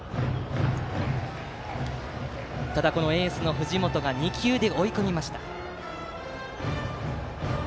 ただ、このエースの藤本が２球で追い込みました。